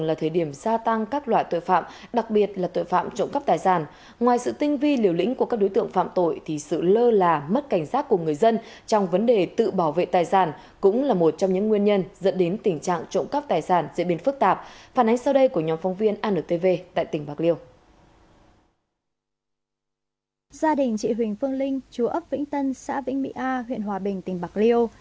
gia đình chị huỳnh phương linh chú ấp vĩnh tân xã vĩnh mỹ a huyện hòa bình tỉnh bạc liêu